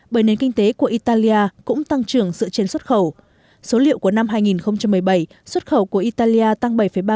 bởi nền kinh tế của italia cũng tăng trưởng dựa trên xuất khẩu số liệu của năm hai nghìn một mươi bảy xuất khẩu của italia tăng bảy ba so với năm hai nghìn một mươi sáu